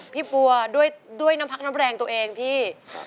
ปัวด้วยน้ำพักน้ำแรงตัวเองพี่